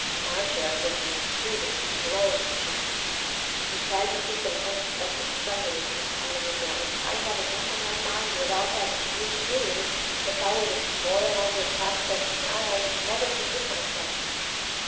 Marcia again retreated with glowing cheeks. She tried to keep an unexpected tremulousness out of her voice. "I have enough on my mind without having you, too. If I were to spoil all your prospects now, I'd never forgive myself."